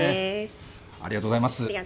ありがとうございます。